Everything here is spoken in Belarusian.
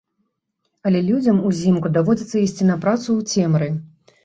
Але людзям узімку даводзіцца ісці на працу ў цемры.